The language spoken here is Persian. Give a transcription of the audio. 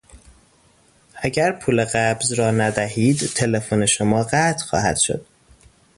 اگر پول قبض را ندهید تلفن شما قطع خواهد شد.